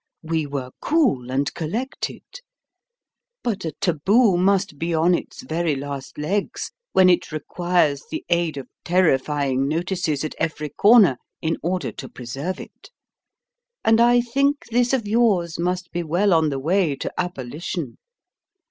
We were cool and collected. But a taboo must be on its very last legs when it requires the aid of terrifying notices at every corner in order to preserve it; and I think this of yours must be well on the way to abolition.